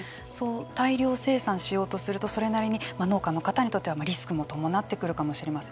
大量生産しようとするとそれなりに農家の方にとってはリスクも伴ってくるかもしれません。